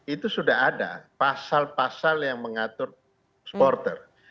itu sudah ada pasal pasal yang mengatur supporter